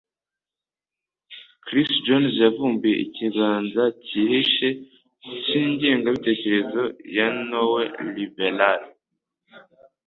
Chris Jones yavumbuye ikiganza cyihishe cy'ingengabitekerezo ya neo-liberal.